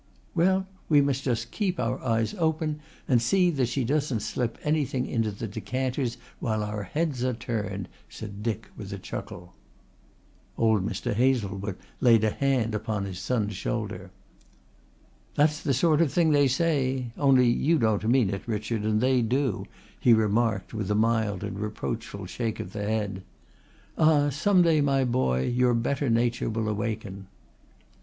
"Well, we must just keep our eyes open and see that she doesn't slip anything into the decanters while our heads are turned," said Dick with a chuckle. Old Mr. Hazlewood laid a hand upon his son's shoulder. "That's the sort of thing they say. Only you don't mean it, Richard, and they do," he remarked with a mild and reproachful shake of the head. "Ah, some day, my boy, your better nature will awaken."